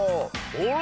あれ？